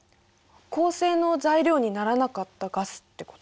恒星の材料にならなかったガスってこと？